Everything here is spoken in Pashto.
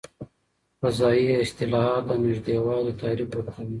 فضايي اصطلاحات د نږدې والي تعریف ورکوي.